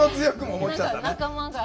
仲間が。